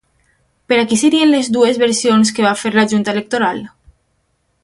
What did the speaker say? Per a qui serien les dues versions que va fer la junta electoral?